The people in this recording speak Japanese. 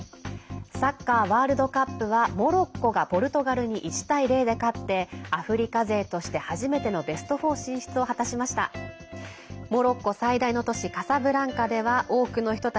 サッカーワールドカップはモロッコがポルトガルに１対０で勝ってアフリカ勢として初めてのベスト４進出を果たしました。